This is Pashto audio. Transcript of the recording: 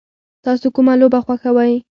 تاسو کومه لوبه خوښوئ؟